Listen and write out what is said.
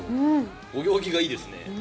お行儀がいいですね。